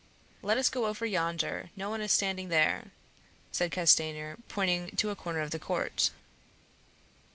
"Let us go over yonder, no one is standing there," said Castanier, pointing to a corner of the court.